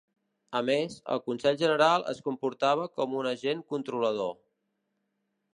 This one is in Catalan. A més, el Consell General es comportava com un agent controlador.